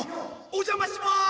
お邪魔します。